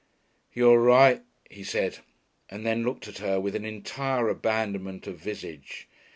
"You're right," he said, and then looked at her with an entire abandonment of visage.